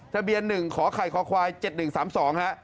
ทะเบียน๑ขอไข่คควาย๗๑๓๒ฮะ